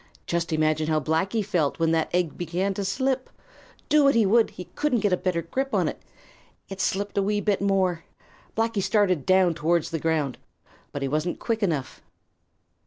Just imagine how Blacky felt when that egg began to slip. Do what he would, he couldn't get a better grip on it. It slipped a wee bit more. Blacky started down towards the ground. But he wasn't quick enough.